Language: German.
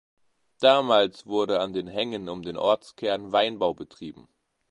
Damals wurde an den Hängen um den Ortskern Weinbau betrieben.